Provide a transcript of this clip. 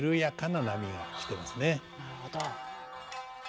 なるほど。